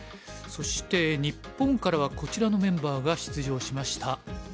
そして日本からはこちらのメンバーが出場しました。